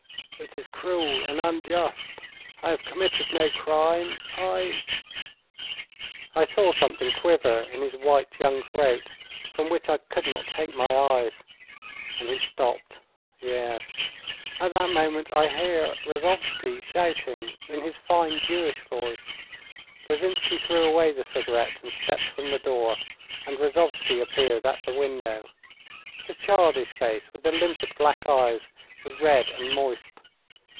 'It is cruel and unjust. I have committed no crime. I ' I saw something quiver in his white young throat, from which I could not take my eyes, and he stopped. Yes. At that moment I hear Rozovsky shouting in his fine, Jewish voice. Lozinsky threw away the cigarette and stepped from the door. And Rozovsky appeared at the window. His childish face, with the limpid black eyes, was red and moist.